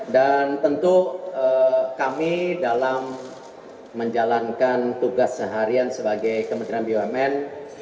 dan tentu kami dalam menjalankan tugas seharian sebagai kementerian bumn